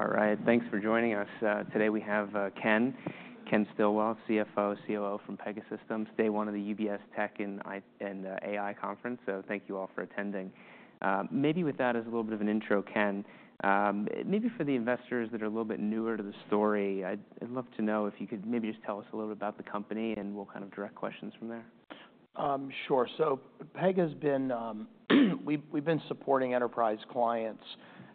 All right. Thanks for joining us. Today we have Ken, Ken Stillwell, CFO, COO from Pegasystems, day one of the UBS Tech and AI Conference, so thank you all for attending. Maybe with that as a little bit of an intro, Ken, maybe for the investors that are a little bit newer to the story, I'd love to know if you could maybe just tell us a little bit about the company and we'll kind of direct questions from there. Sure. So Pega has been. We've been supporting enterprise clients.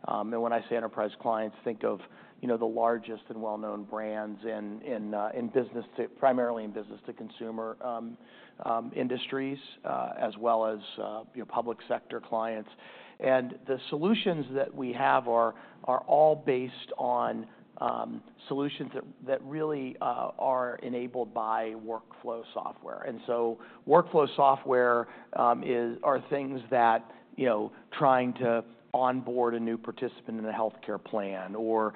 And when I say enterprise clients, think of, you know, the largest and well-known brands in business, primarily in business to consumer industries, as well as, you know, public sector clients. And the solutions that we have are all based on solutions that really are enabled by workflow software. And so workflow software is things that, you know, trying to onboard a new participant in a healthcare plan or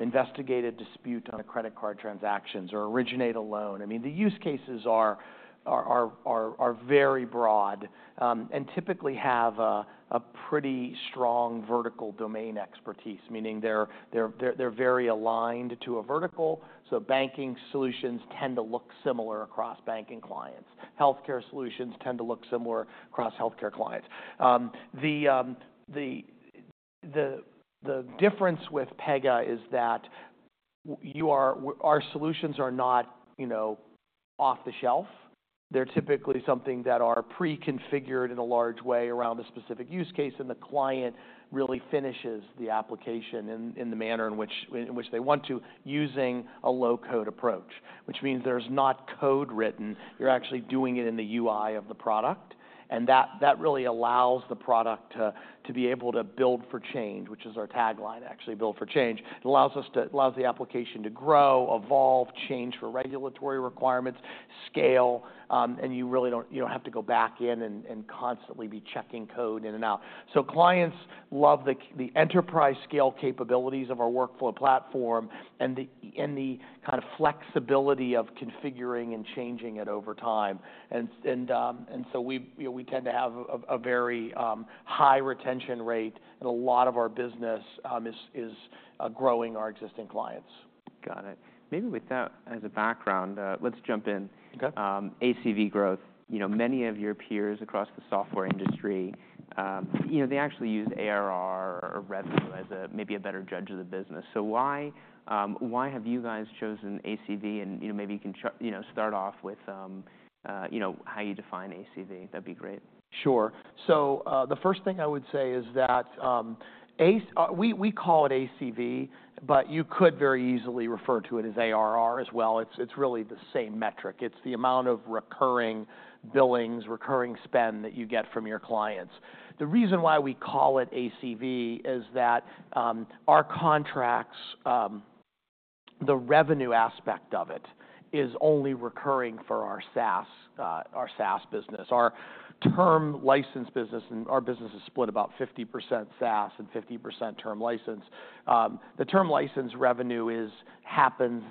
investigate a dispute on a credit card transactions or originate a loan. I mean, the use cases are very broad, and typically have a pretty strong vertical domain expertise, meaning they're very aligned to a vertical. So banking solutions tend to look similar across banking clients. Healthcare solutions tend to look similar across healthcare clients. The difference with Pega is that our solutions are not, you know, off the shelf. They're typically something that are pre-configured in a large way around a specific use case, and the client really finishes the application in the manner in which they want to using a low-code approach, which means there's not code written. You're actually doing it in the UI of the product. And that really allows the product to be able to Build for Change, which is our tagline, actually, Build for Change. It allows the application to grow, evolve, change for regulatory requirements, scale, and you don't have to go back in and constantly be checking code in and out. So clients love the enterprise-scale capabilities of our workflow platform and the kind of flexibility of configuring and changing it over time. And so we, you know, we tend to have a very high retention rate, and a lot of our business is growing our existing clients. Got it. Maybe with that as a background, let's jump in. Okay. ACV Growth, you know, many of your peers across the software industry, you know, they actually use ARR or revenue as a maybe a better judge of the business. So why, why have you guys chosen ACV? And, you know, maybe you can start off with, you know, how you define ACV. That'd be great. Sure. So, the first thing I would say is that, ACV, we call it ACV, but you could very easily refer to it as ARR as well. It's really the same metric. It's the amount of recurring billings, recurring spend that you get from your clients. The reason why we call it ACV is that, our contracts, the revenue aspect of it is only recurring for our SaaS, our SaaS business, our term license business. And our business is split about 50% SaaS and 50% term license. The term license revenue happens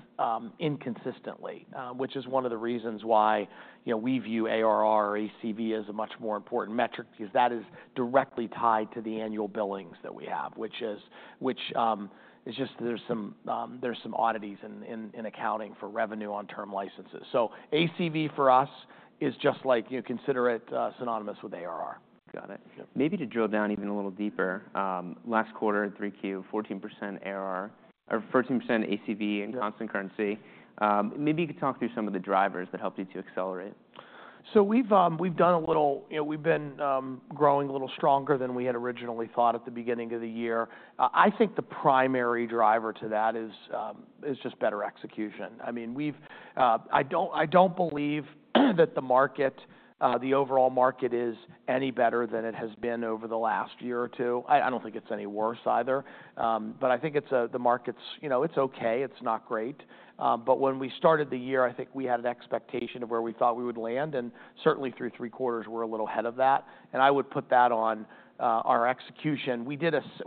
inconsistently, which is one of the reasons why, you know, we view ARR or ACV as a much more important metric because that is directly tied to the annual billings that we have, which is just there's some oddities in accounting for revenue on term licenses. ACV for us is just like, you know, consider it, synonymous with ARR. Got it. Yep. Maybe to drill down even a little deeper, last quarter at 3Q, 14% ARR or 14% ACV in constant currency. Yeah. Maybe you could talk through some of the drivers that helped you to accelerate? So we've done a little, you know, we've been growing a little stronger than we had originally thought at the beginning of the year. I think the primary driver to that is just better execution. I mean, I don't believe that the market, the overall market is any better than it has been over the last year or two. I don't think it's any worse either. But I think it's the market's, you know, it's okay. It's not great. But when we started the year, I think we had an expectation of where we thought we would land, and certainly through three quarters, we're a little ahead of that. And I would put that on our execution.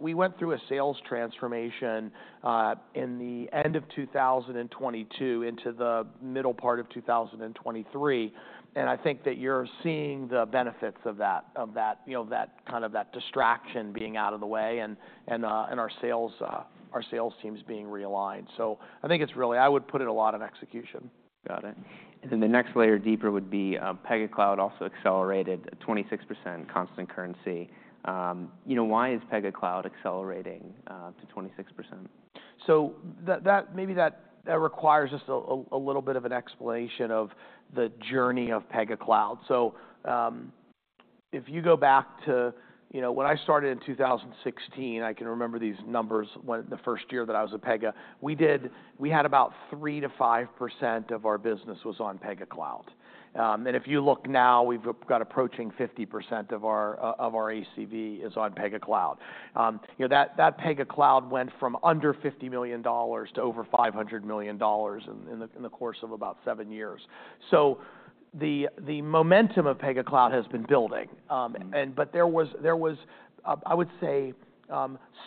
We went through a sales transformation in the end of 2022 into the middle part of 2023. I think that you're seeing the benefits of that, you know, that kind of distraction being out of the way and our sales teams being realigned. So I think it's really. I would put it a lot on execution. Got it. And then the next layer deeper would be, Pega Cloud also accelerated 26% constant currency. You know, why is Pega Cloud accelerating to 26%? So, that maybe requires just a little bit of an explanation of the journey of Pega Cloud. If you go back to, you know, when I started in 2016, I can remember these numbers. When the first year that I was at Pega, we had about 3%-5% of our business on Pega Cloud. If you look now, we've got approaching 50% of our ACV on Pega Cloud. You know, Pega Cloud went from under $50 million to over $500 million in the course of about seven years, so the momentum of Pega Cloud has been building. But there was, I would say,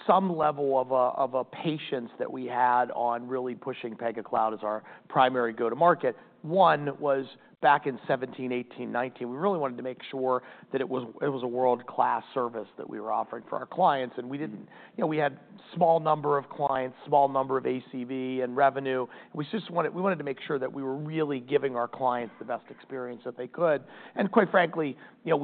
some level of patience that we had on really pushing Pega Cloud as our primary go-to-market. One was back in 2017, 2018, 2019. We really wanted to make sure that it was a world-class service that we were offering for our clients. And we didn't, you know, we had a small number of clients, small number of ACV and revenue. We just wanted to make sure that we were really giving our clients the best experience that they could. And quite frankly, you know,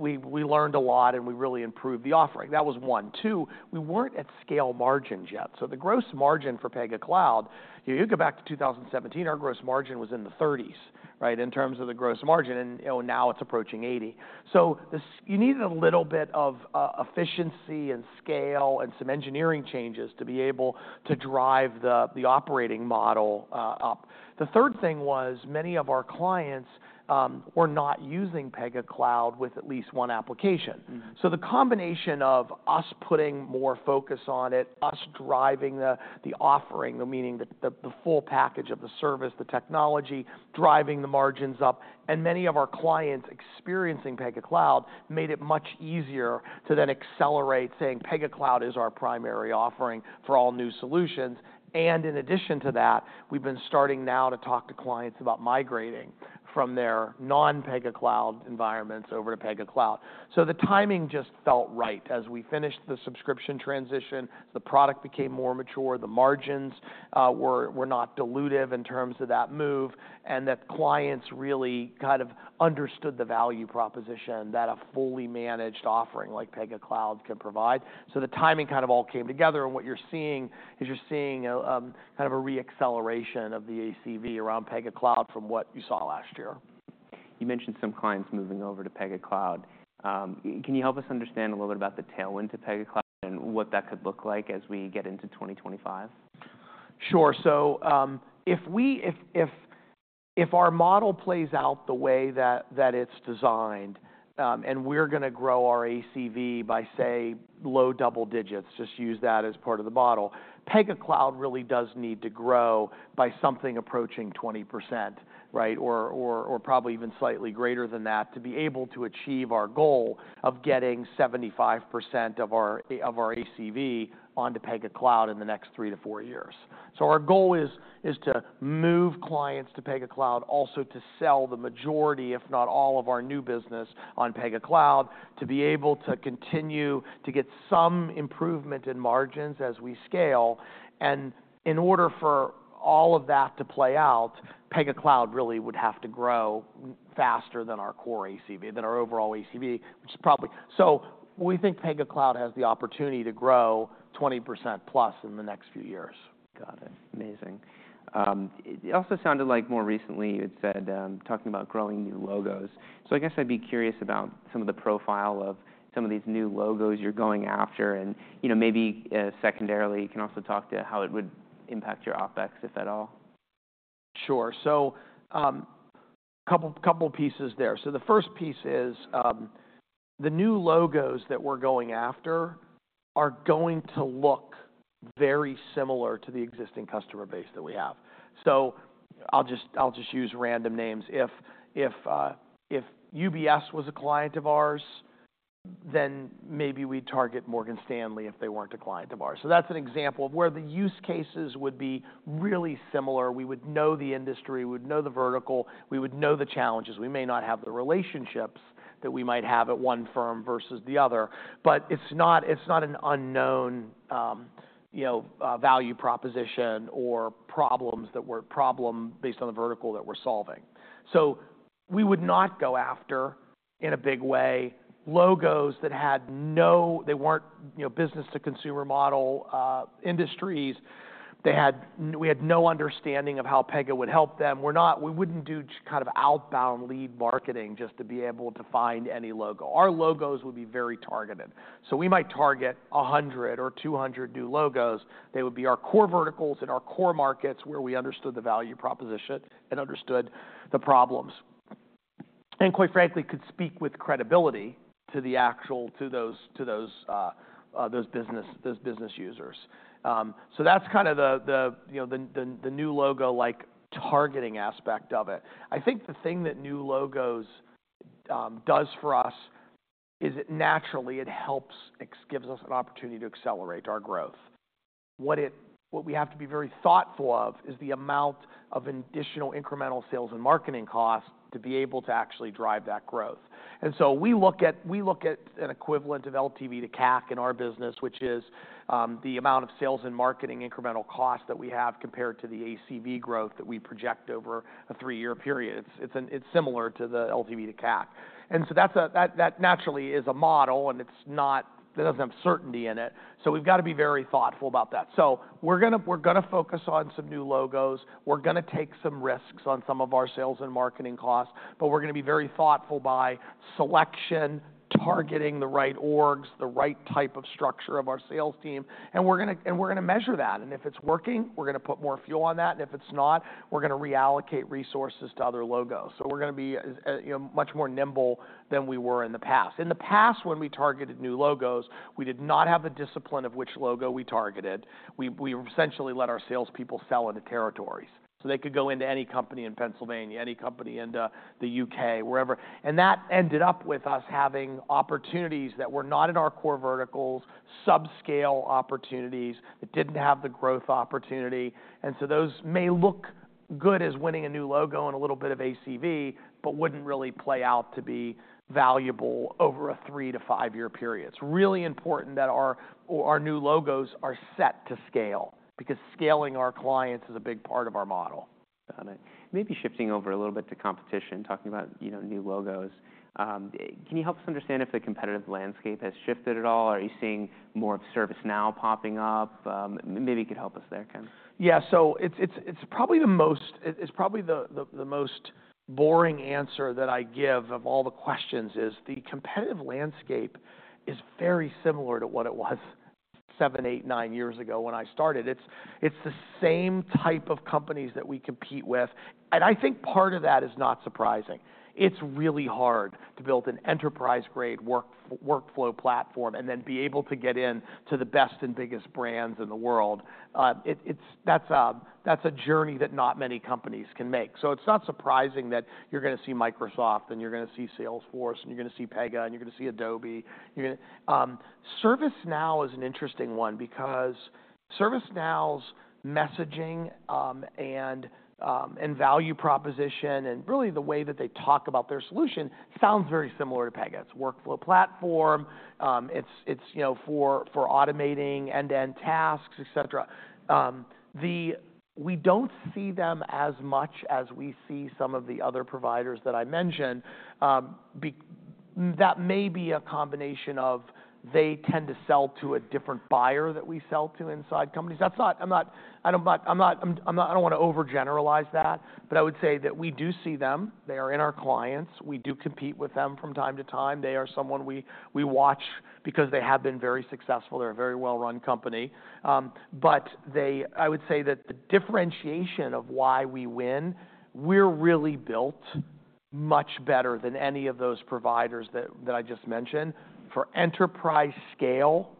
we learned a lot and we really improved the offering. That was one. Two, we weren't at scale margins yet. So the gross margin for Pega Cloud, you know, you go back to 2017, our gross margin was in the 30s, right, in terms of the gross margin. And, you know, now it's approaching 80. So, you needed a little bit of efficiency and scale and some engineering changes to be able to drive the operating model up. The third thing was many of our clients were not using Pega Cloud with at least one application. Mm-hmm. So the combination of us putting more focus on it, us driving the offering, meaning the full package of the service, the technology, driving the margins up, and many of our clients experiencing Pega Cloud made it much easier to then accelerate saying, "Pega Cloud is our primary offering for all new solutions." And in addition to that, we've been starting now to talk to clients about migrating from their non-Pega Cloud environments over to Pega Cloud. So the timing just felt right as we finished the subscription transition, the product became more mature, the margins were not dilutive in terms of that move, and that clients really kind of understood the value proposition that a fully managed offering like Pega Cloud can provide. So the timing kind of all came together. What you're seeing is a kind of a re-acceleration of the ACV around Pega Cloud from what you saw last year. You mentioned some clients moving over to Pega Cloud. Can you help us understand a little bit about the tailwind to Pega Cloud and what that could look like as we get into 2025? Sure. So, if our model plays out the way that it's designed, and we're gonna grow our ACV by, say, low double digits, just use that as part of the model, Pega Cloud really does need to grow by something approaching 20%, right, or probably even slightly greater than that to be able to achieve our goal of getting 75% of our ACV onto Pega Cloud in the next three to four years. So our goal is to move clients to Pega Cloud, also to sell the majority, if not all, of our new business on Pega Cloud, to be able to continue to get some improvement in margins as we scale. In order for all of that to play out, Pega Cloud really would have to grow faster than our core ACV, than our overall ACV, which is probably, so we think, Pega Cloud has the opportunity to grow 20% plus in the next few years. Got it. Amazing. It also sounded like more recently you had said, talking about growing new logos. So I guess I'd be curious about some of the profile of some of these new logos you're going after and, you know, maybe, secondarily, you can also talk to how it would impact your OpEx, if at all. Sure. A couple pieces there. The first piece is the new logos that we're going after are going to look very similar to the existing customer base that we have. I'll just use random names. If UBS was a client of ours, then maybe we'd target Morgan Stanley if they weren't a client of ours. That's an example of where the use cases would be really similar. We would know the industry, we would know the vertical, we would know the challenges. We may not have the relationships that we might have at one firm versus the other, but it's not an unknown, you know, value proposition or problems that we're solving based on the vertical that we're solving. So we would not go after in a big way logos that had no, they weren't, you know, business to consumer model industries. We had no understanding of how Pega would help them. We're not, we wouldn't do kind of outbound lead marketing just to be able to find any logo. Our logos would be very targeted. So we might target 100 or 200 new logos. They would be our core verticals and our core markets where we understood the value proposition and understood the problems and quite frankly could speak with credibility to those business users. So that's kind of the you know the new logo-like targeting aspect of it. I think the thing that new logos does for us is it naturally helps. It gives us an opportunity to accelerate our growth. What we have to be very thoughtful of is the amount of additional incremental sales and marketing costs to be able to actually drive that growth. And so we look at an equivalent of LTV to CAC in our business, which is the amount of sales and marketing incremental costs that we have compared to the ACV growth that we project over a three-year period. It's similar to the LTV to CAC. And so that naturally is a model and it doesn't have certainty in it. So we've got to be very thoughtful about that. So we're gonna focus on some new logos. We're gonna take some risks on some of our sales and marketing costs, but we're gonna be very thoughtful by selection, targeting the right orgs, the right type of structure of our sales team, and we're gonna measure that, and if it's working, we're gonna put more fuel on that, and if it's not, we're gonna reallocate resources to other logos, so we're gonna be, you know, much more nimble than we were in the past. In the past, when we targeted new logos, we did not have the discipline of which logo we targeted. We essentially let our salespeople sell into territories so they could go into any company in Pennsylvania, any company into the U.K., wherever, and that ended up with us having opportunities that were not in our core verticals, subscale opportunities that didn't have the growth opportunity. And so those may look good as winning a new logo and a little bit of ACV, but wouldn't really play out to be valuable over a three-to-five-year period. It's really important that our new logos are set to scale because scaling our clients is a big part of our model. Got it. Maybe shifting over a little bit to competition, talking about, you know, new logos. Can you help us understand if the competitive landscape has shifted at all? Are you seeing more of ServiceNow popping up? Maybe you could help us there, Ken. Yeah. So it's probably the most boring answer that I give of all the questions. The competitive landscape is very similar to what it was seven, eight, nine years ago when I started. It's the same type of companies that we compete with. And I think part of that is not surprising. It's really hard to build an enterprise-grade workflow platform and then be able to get into the best and biggest brands in the world. It's a journey that not many companies can make. So it's not surprising that you're gonna see Microsoft and you're gonna see Salesforce and you're gonna see Pega and you're gonna see Adobe. ServiceNow is an interesting one because ServiceNow's messaging and value proposition and really the way that they talk about their solution sounds very similar to Pega. It's a workflow platform. It's you know for automating end-to-end tasks, et cetera. We don't see them as much as we see some of the other providers that I mentioned. That may be a combination of they tend to sell to a different buyer that we sell to inside companies. That's not. I don't wanna overgeneralize that, but I would say that we do see them. They are in our clients. We do compete with them from time to time. They are someone we watch because they have been very successful. They're a very well-run company. But they, I would say that the differentiation of why we win, we're really built much better than any of those providers that, that I just mentioned for enterprise scale,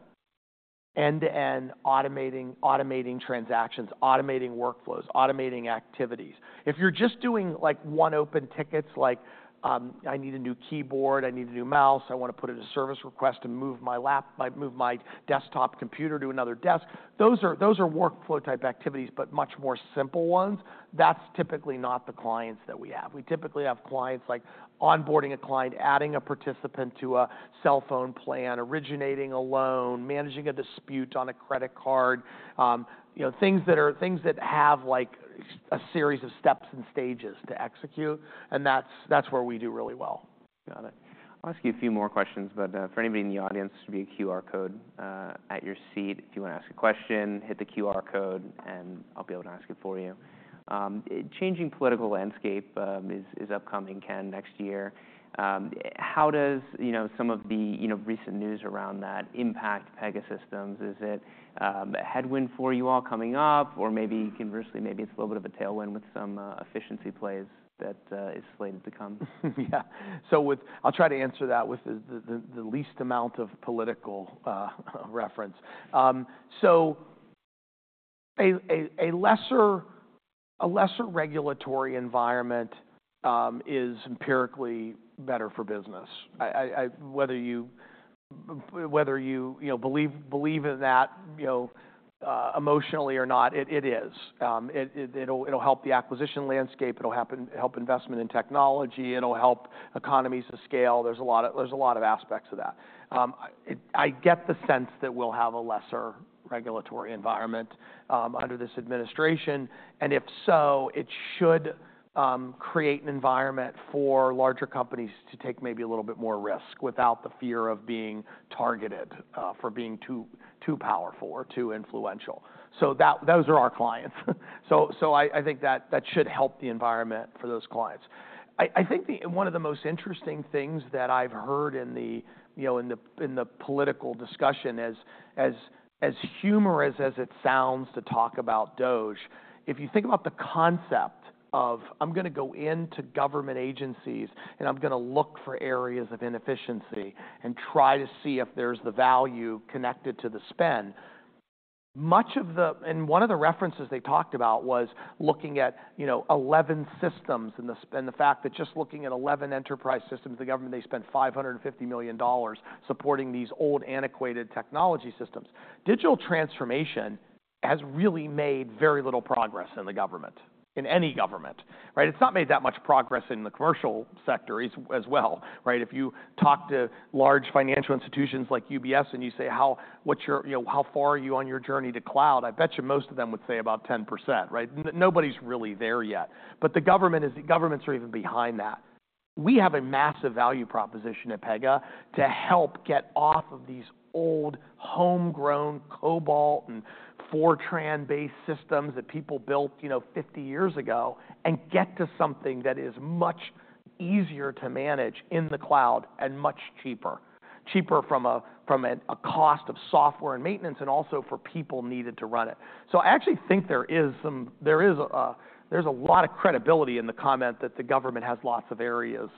end-to-end automating, automating transactions, automating workflows, automating activities. If you're just doing like one open tickets, like, I need a new keyboard, I need a new mouse, I wanna put in a service request to move my desktop computer to another desk. Those are, those are workflow type activities, but much more simple ones. That's typically not the clients that we have. We typically have clients like onboarding a client, adding a participant to a cell phone plan, originating a loan, managing a dispute on a credit card. You know, things that are things that have like a series of steps and stages to execute. And that's, that's where we do really well. Got it. I'll ask you a few more questions, but, for anybody in the audience, there should be a QR code at your seat. If you wanna ask a question, hit the QR code and I'll be able to ask it for you. Changing political landscape is upcoming, Ken, next year. How does, you know, some of the, you know, recent news around that impact Pegasystems? Is it a headwind for you all coming up or maybe conversely, maybe it's a little bit of a tailwind with some efficiency plays that is slated to come? Yeah. So, I'll try to answer that with the least amount of political reference, so a lesser regulatory environment is empirically better for business. I, whether you know, believe in that, you know, emotionally or not, it is. It'll help the acquisition landscape. It'll help investment in technology. It'll help economies of scale. There's a lot of aspects of that. I get the sense that we'll have a lesser regulatory environment under this administration, and if so, it should create an environment for larger companies to take maybe a little bit more risk without the fear of being targeted for being too powerful or too influential, so those are our clients, so I think that should help the environment for those clients. I think one of the most interesting things that I've heard in the you know in the political discussion as humorous as it sounds to talk about DOGE, if you think about the concept of, I'm gonna go into government agencies and I'm gonna look for areas of inefficiency and try to see if there's the value connected to the spend. Much of the and one of the references they talked about was looking at you know 11 systems and the fact that just looking at 11 enterprise systems, the government, they spent $550 million supporting these old antiquated technology systems. Digital transformation has really made very little progress in the government, in any government, right? It's not made that much progress in the commercial sector as well, right? If you talk to large financial institutions like UBS and you say, how, what's your, you know, how far are you on your journey to cloud? I bet you most of them would say about 10%, right? Nobody's really there yet, but the government is, governments are even behind that. We have a massive value proposition at Pega to help get off of these old homegrown COBOL and Fortran-based systems that people built, you know, 50 years ago and get to something that is much easier to manage in the cloud and much cheaper, cheaper from a, from a, a cost of software and maintenance and also for people needed to run it. So I actually think there is some, there is a, there's a lot of credibility in the comment that the government has lots of areas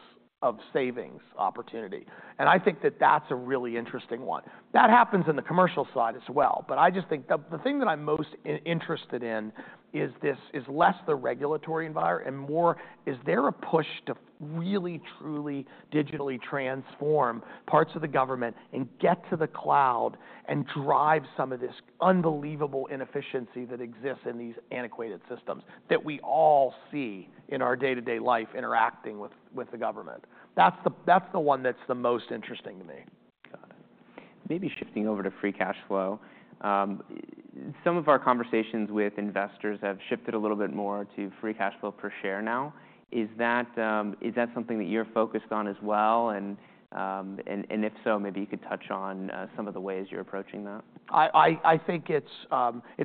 of savings opportunity, and I think that that's a really interesting one. That happens in the commercial side as well. But I just think the thing that I'm most interested in is this is less the regulatory environment and more is there a push to really, truly digitally transform parts of the government and get to the cloud and drive some of this unbelievable inefficiency that exists in these antiquated systems that we all see in our day-to-day life interacting with the government. That's the one that's the most interesting to me. Got it. Maybe shifting over to free cash flow. Some of our conversations with investors have shifted a little bit more to Free Cash Flow per Share now. Is that something that you're focused on as well? And if so, maybe you could touch on some of the ways you're approaching that. I think it's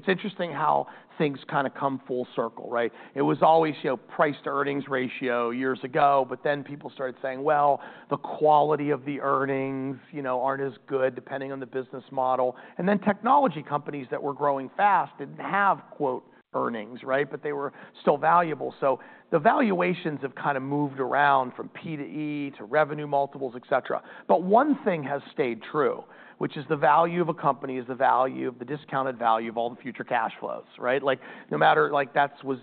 interesting how things kind of come full circle, right? It was always, you know, price to earnings ratio years ago, but then people started saying, well, the quality of the earnings, you know, aren't as good depending on the business model. And then technology companies that were growing fast didn't have quote earnings, right? But they were still valuable. So the valuations have kind of moved around from P to E to revenue multiples, et cetera. But one thing has stayed true, which is the value of a company is the value of the discounted value of all the future cash flows, right? Like no matter what, that was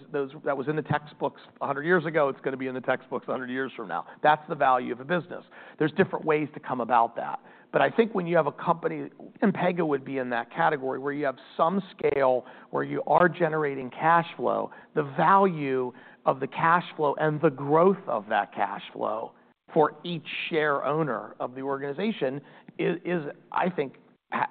in the textbooks a hundred years ago. It's gonna be in the textbooks a hundred years from now. That's the value of a business. There's different ways to come about that. I think when you have a company and Pega would be in that category where you have some scale where you are generating cash flow, the value of the cash flow and the growth of that cash flow for each share owner of the organization is I think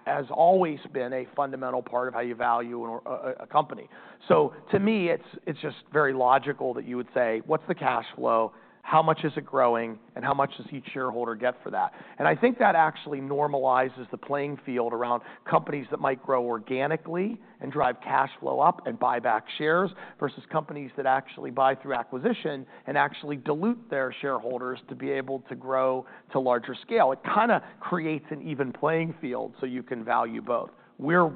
has always been a fundamental part of how you value a company. So to me, it's just very logical that you would say, what's the cash flow? How much is it growing? And how much does each shareholder get for that? And I think that actually normalizes the playing field around companies that might grow organically and drive cash flow up and buy back shares versus companies that actually buy through acquisition and actually dilute their shareholders to be able to grow to larger scale. It kind of creates an even playing field so you can value both. We're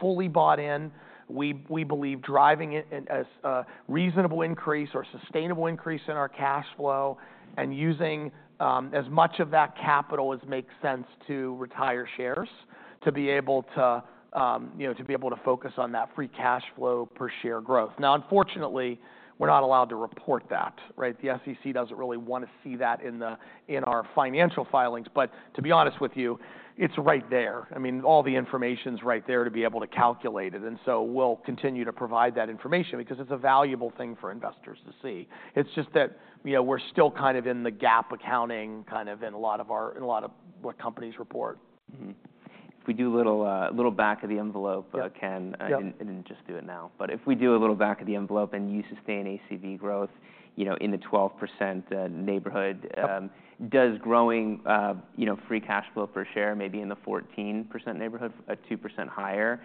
fully bought in. We believe driving a reasonable increase or sustainable increase in our cash flow and using as much of that capital as makes sense to retire shares to be able to, you know, focus on that free cash flow per share growth. Now, unfortunately, we're not allowed to report that, right? The SEC doesn't really wanna see that in our financial filings. But to be honest with you, it's right there. I mean, all the information's right there to be able to calculate it. And so we'll continue to provide that information because it's a valuable thing for investors to see. It's just that, you know, we're still kind of in the GAAP accounting kind of in a lot of what companies report. Mm-hmm. If we do a little back of the envelope, Ken, I didn't just do it now, but if we do a little back of the envelope and you sustain ACV growth, you know, in the 12% neighborhood, does growing, you know, free cash flow per share maybe in the 14% neighborhood, 2% higher,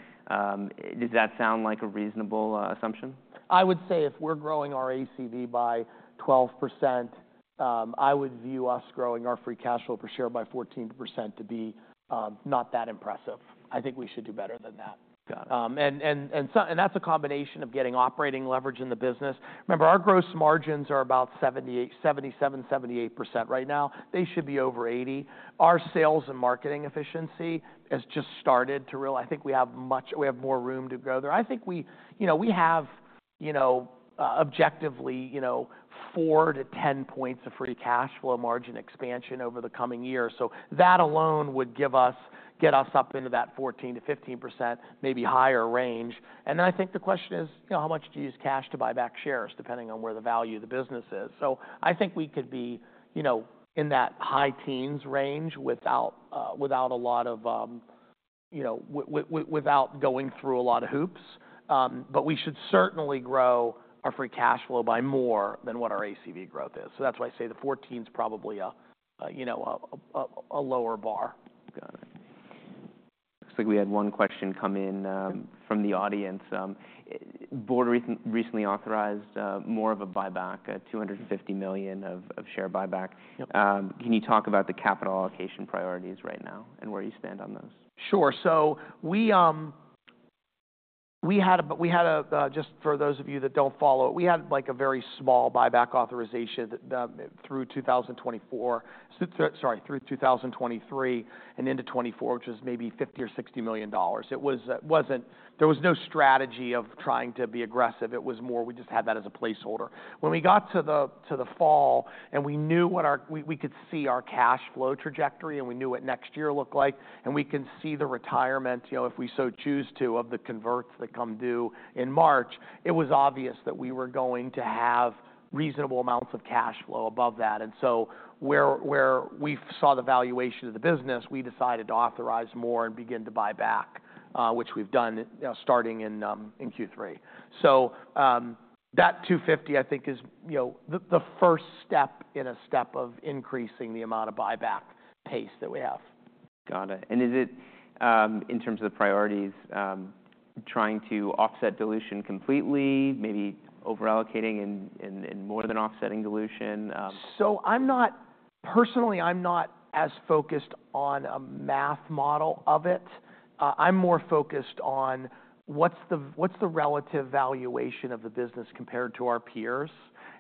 sound like a reasonable assumption? I would say if we're growing our ACV by 12%, I would view us growing our free cash flow per share by 14% to be, not that impressive. I think we should do better than that. Got it. That's a combination of getting operating leverage in the business. Remember, our gross margins are about 77-78% right now. They should be over 80%. Our sales and marketing efficiency has just started to really, I think we have much more room to go there. I think we, you know, we have, you know, objectively, you know, four to 10 points of free cash flow margin expansion over the coming year. So that alone would get us up into that 14-15%, maybe higher range. Then I think the question is, you know, how much do you use cash to buy back shares depending on where the value of the business is? So I think we could be, you know, in that high teens range without a lot of, you know, without going through a lot of hoops. But we should certainly grow our free cash flow by more than what our ACV growth is. So that's why I say the 14's probably a, you know, a lower bar. Got it. Looks like we had one question come in from the audience. Board recently authorized more of a buyback, $250 million of share buyback. Can you talk about the capital allocation priorities right now and where you stand on those? Sure. So we had a just for those of you that don't follow it, we had like a very small buyback authorization that through 2023 and into 2024, which was maybe $50 or $60 million. It wasn't, there was no strategy of trying to be aggressive. It was more, we just had that as a placeholder. When we got to the fall and we knew what our cash flow trajectory and we could see our cash flow trajectory and we knew what next year looked like and we can see the retirement, you know, if we so choose to, of the converts that come due in March, it was obvious that we were going to have reasonable amounts of cash flow above that. Where we saw the valuation of the business, we decided to authorize more and begin to buy back, which we've done, you know, starting in Q3. That 250 I think is, you know, the first step in a step of increasing the amount of buyback pace that we have. Got it. And is it, in terms of the priorities, trying to offset dilution completely, maybe overallocating and more than offsetting dilution? So I'm not, personally, I'm not as focused on a math model of it. I'm more focused on what's the relative valuation of the business compared to our peers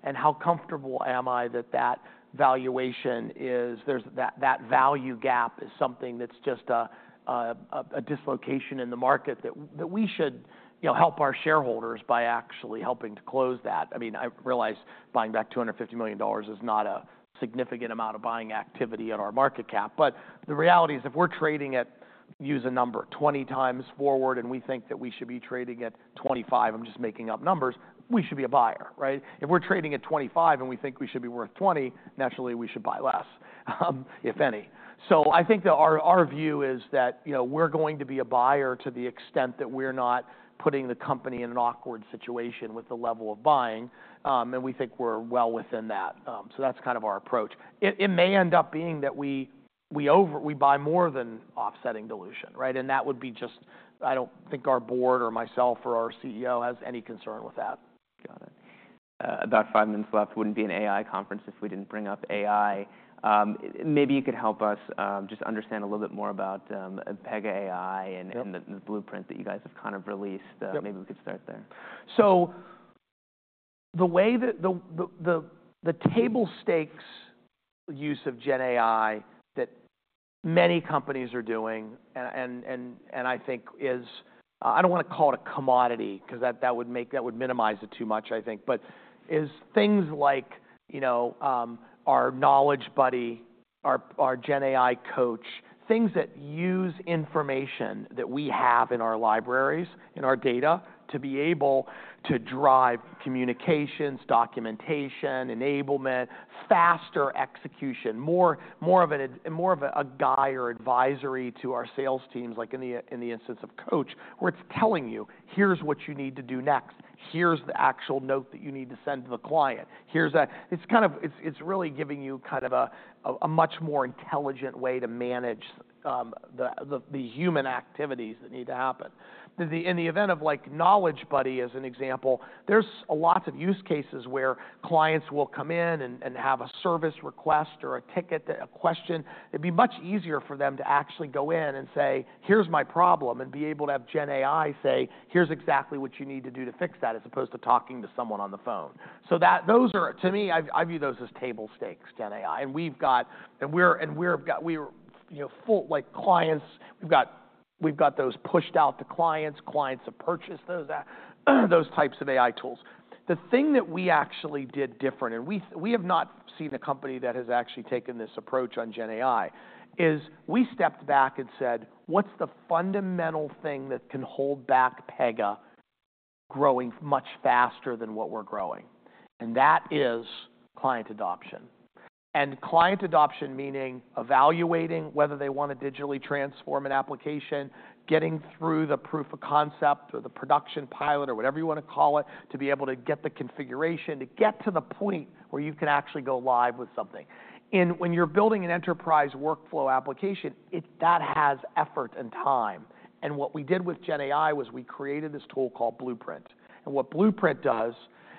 and how comfortable am I that that valuation is, there's that value gap is something that's just a dislocation in the market that we should, you know, help our shareholders by actually helping to close that. I mean, I realize buying back $250 million is not a significant amount of buying activity at our market cap, but the reality is if we're trading at, use a number, 20 times forward and we think that we should be trading at 25, I'm just making up numbers, we should be a buyer, right? If we're trading at 25 and we think we should be worth 20, naturally we should buy less, if any. So I think that our view is that, you know, we're going to be a buyer to the extent that we're not putting the company in an awkward situation with the level of buying, and we think we're well within that. So that's kind of our approach. It may end up being that we buy more than offsetting dilution, right? And that would be just, I don't think our board or myself or our CEO has any concern with that. Got it. About five minutes left. Wouldn't be an AI conference if we didn't bring up AI. Maybe you could help us just understand a little bit more about Pega AI and the blueprint that you guys have kind of released. Maybe we could start there. The way that the table stakes use of Gen AI that many companies are doing and I think is, I don't wanna call it a commodity 'cause that would make that would minimize it too much I think, but is things like, you know, our Knowledge Buddy, our GenAI Coach, things that use information that we have in our libraries, in our data to be able to drive communications, documentation, enablement, faster execution, more of a guide or advisory to our sales teams, like in the instance of coach, where it's telling you, here's what you need to do next. Here's the actual note that you need to send to the client. Here's, it's kind of really giving you kind of a much more intelligent way to manage the human activities that need to happen. Then, in the event of like Knowledge Buddy as an example, there's lots of use cases where clients will come in and have a service request or a ticket that's a question. It'd be much easier for them to actually go in and say, here's my problem and be able to have Gen AI say, here's exactly what you need to do to fix that as opposed to talking to someone on the phone. So, to me, I view those as table stakes, Gen AI. And we've got, we're, you know, full like clients. We've got those pushed out to clients. Clients have purchased those types of AI tools. The thing that we actually did different and we have not seen a company that has actually taken this approach on Gen AI is we stepped back and said, what's the fundamental thing that can hold back Pega growing much faster than what we're growing? And that is client adoption. And client adoption meaning evaluating whether they wanna digitally transform an application, getting through the proof of concept or the production pilot or whatever you wanna call it to be able to get the configuration to get to the point where you can actually go live with something. And when you're building an enterprise workflow application, that has effort and time. And what we did with GenAI was we created this tool called Blueprint. And what Blueprint does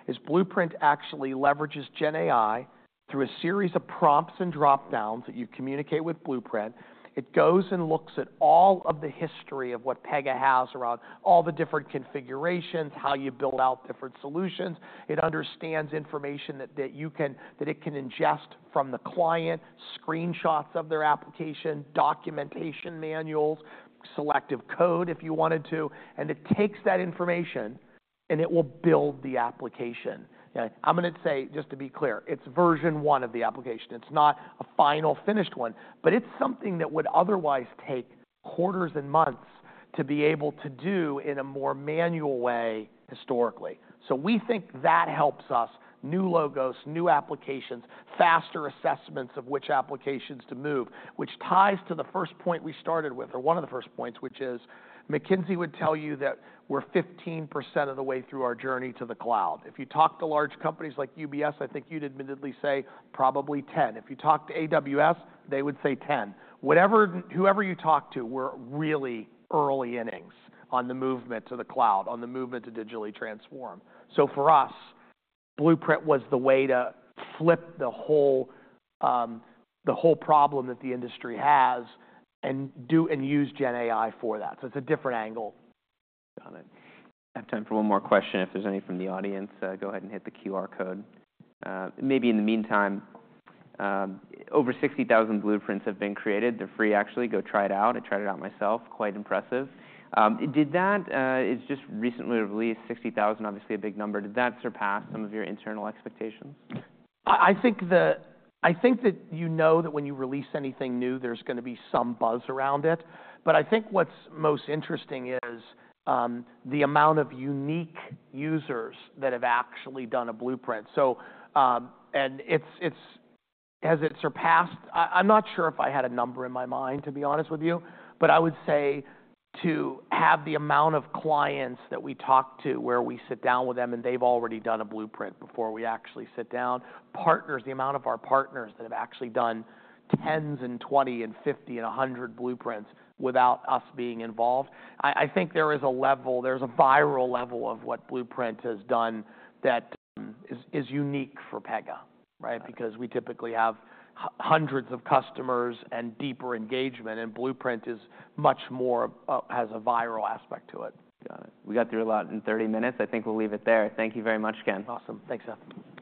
is Blueprint actually leverages GenAI through a series of prompts and dropdowns that you communicate with Blueprint. It goes and looks at all of the history of what Pega has around all the different configurations, how you build out different solutions. It understands information that you can, that it can ingest from the client, screenshots of their application, documentation manuals, selective code if you wanted to. And it takes that information and it will build the application. Yeah. I'm gonna say just to be clear, it's version one of the application. It's not a final finished one, but it's something that would otherwise take quarters and months to be able to do in a more manual way historically. So we think that helps us new logos, new applications, faster assessments of which applications to move, which ties to the first point we started with or one of the first points, which is McKinsey would tell you that we're 15% of the way through our journey to the cloud. If you talk to large companies like UBS, I think you'd admittedly say probably 10%. If you talk to AWS, they would say 10%. Whatever, whoever you talk to, we're really early innings on the movement to the cloud, on the movement to digitally transform. So for us, Blueprint was the way to flip the whole, the whole problem that the industry has and do and use Gen AI for that. So it's a different angle. Got it. I have time for one more question. If there's any from the audience, go ahead and hit the QR code. Maybe in the meantime, over 60,000 blueprints have been created. They're free actually. Go try it out. I tried it out myself. Quite impressive. Did that, it's just recently released 60,000, obviously a big number. Did that surpass some of your internal expectations? I think that you know that when you release anything new, there's gonna be some buzz around it. But I think what's most interesting is the amount of unique users that have actually done a Blueprint. So, it's... has it surpassed? I'm not sure if I had a number in my mind, to be honest with you, but I would say to have the amount of clients that we talk to where we sit down with them and they've already done a Blueprint before we actually sit down, partners, the amount of our partners that have actually done tens and 20 and 50 and 100 Blueprints without us being involved. I think there is a level. There's a viral level of what Blueprint has done that is unique for Pega, right? Because we typically have hundreds of customers and deeper engagement, and Blueprint is much more of, has a viral aspect to it. Got it. We got through a lot in 30 minutes. I think we'll leave it there. Thank you very much again. Awesome. Thanks, Seth.